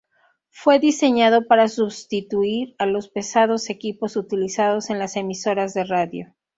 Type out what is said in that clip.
Fue diseñado para sustituir a los pesados equipos utilizados en las emisoras de radio.